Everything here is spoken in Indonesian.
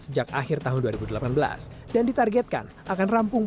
sejak akhir tahun dua ribu delapan belas dan ditargetkan akan rampung